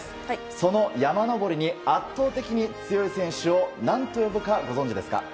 その山登りに圧倒的に強い選手を何と呼ぶかご存じですか？